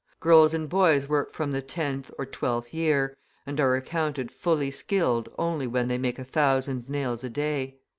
Girls and boys work from the tenth or twelfth year, and are accounted fully skilled only when they make a thousand nails a day.